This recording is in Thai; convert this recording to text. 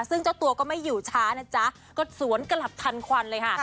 ซึ่งเจ้าตัวก็ไม่อยู่ช้านะจ๊ะก็สวนกลับทันควันเลยค่ะ